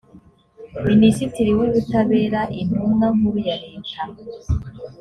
minisitiri w ubutabera intumwa nkuru ya leta